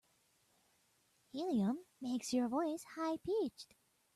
Helium makes your voice high pitched.